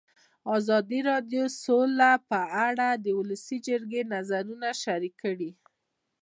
ازادي راډیو د سوله په اړه د ولسي جرګې نظرونه شریک کړي.